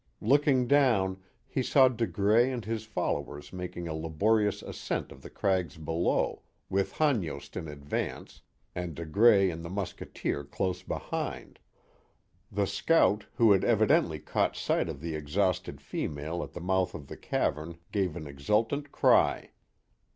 Looking down, he saw De Grais and his followers making a laborious ascent of the crags below, with Hanyost in advance, and De Grais and the mustketeer close behind. The scout, who had evidently caught sight of the exhausted female at the mouth of the cavern, gave an exultant cry.